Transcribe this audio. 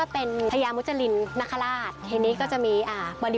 เป็นพระยามุจจริน